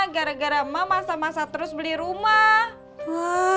gara gara emak masa masa terus beli rumah